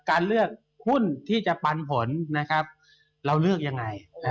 การเลือกหุ้นที่จะปันผลเราเลือกยังไง